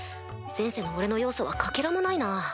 前世の俺の要素はかけらもないな。